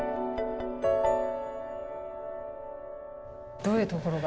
どういうところが？